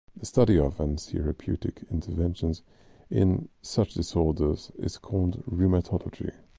The study of, and therapeutic interventions in, such disorders is called rheumatology.